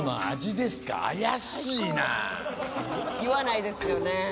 言わないですよね。